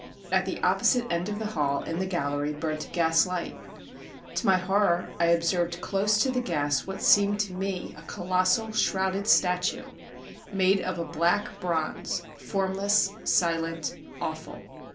At the opposite end of the hall, in the gallery, burnt a gaslight: to my horror I observed close to the gas what seemed to me a colossal shrouded statue, made of a black bronze, formless, silent, awful.